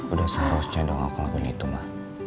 udah seharusnya dong aku ngelakuin itu ma